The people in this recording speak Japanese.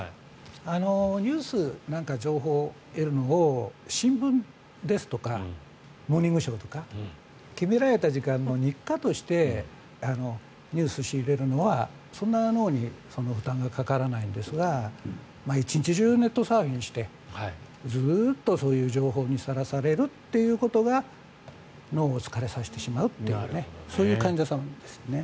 ニュースなんか情報を得るのを新聞ですとか「モーニングショー」とか決められた時間の日課としてニュースを仕入れるのはそんなに脳に負担はかからないんですが１日中、ネットサーフィンしてずっとそういう情報にさらされるというのが脳を疲れさせてしまうというそういう患者さんですね。